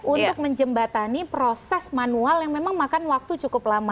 untuk menjembatani proses manual yang memang makan waktu cukup lama